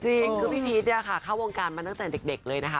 จริงคือพี่พีชเนี่ยค่ะเข้าวงการมาตั้งแต่เด็กเลยนะคะ